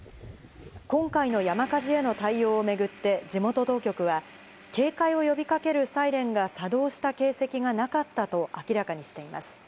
今回の山火事への対応を巡って地元当局は警戒を呼びかけるサイレンが作動した形跡がなかったと明らかにしています。